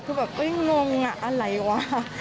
คือแบบอุ๊ยนงอะไรวะ